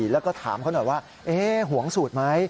แล้วก็ถามเขาหน่อยว่าหวงสูตรไหม